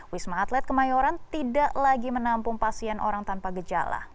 wisma atlet kemayoran tidak lagi menampung pasien orang tanpa gejala